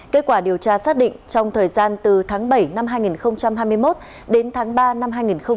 kết quả điều tra xác định trong thời gian từ tháng bảy năm hai nghìn hai mươi một đến tháng ba năm hai nghìn hai mươi ba